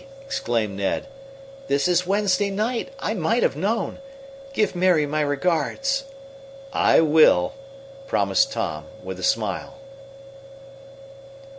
exclaimed Ned. "This is Wednesday night. I might have known. Give Mary my regards." "I will," promised Tom, with a smile.